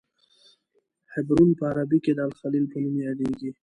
حبرون په عربي کې د الخلیل په نوم یادیږي.